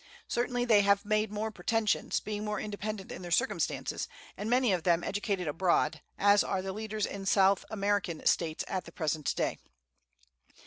Certainly they have made more pretensions, being more independent in their circumstances, and many of them educated abroad, as are the leaders in South American States at the present day.